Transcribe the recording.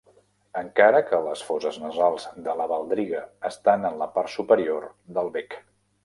Encara que les foses nasals de la baldriga estan en la part superior del bec.